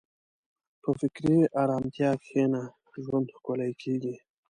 په فکري ارامتیا کښېنه، ژوند ښکلی کېږي.